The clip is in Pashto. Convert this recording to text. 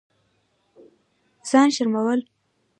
ځان شرمول